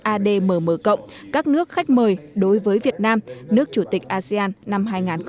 admm cộng các nước khách mời đối với việt nam nước chủ tịch asean năm hai nghìn hai mươi